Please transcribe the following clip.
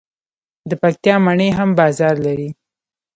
د پکتیا مڼې هم بازار لري.